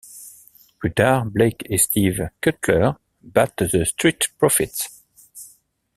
Plus tard, Blake et Steve Cutler battent The Street Profits.